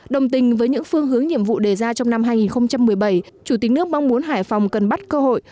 đồng tình với những phương hướng nhiệm vụ đề ra trong năm hai nghìn một mươi bảy chủ tịch nước mong muốn hải phòng cần bắt cơ hội